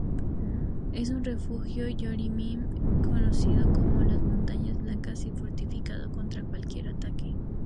Es un refugio Rohirrim escondido en las Montañas Blancas y fortificado contra cualquier ataque.